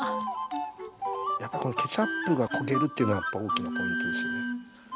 やっぱこのケチャップが焦げるっていうのが大きなポイントですよね。